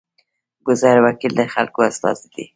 ګذر وکیل د خلکو استازی دی